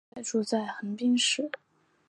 现在住在横滨市。